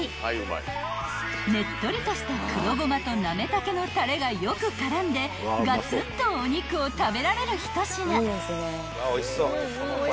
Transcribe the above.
［ねっとりとした黒ごまとなめ茸のタレがよく絡んでガツンとお肉を食べられる一品］